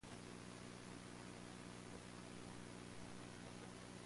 Snell then announced his retirement.